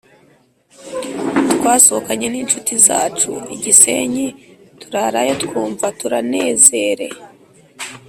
Twasohokanye nishuti zacu igisenyi turarayo twumva turanezere